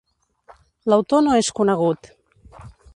L'autor no és conegut.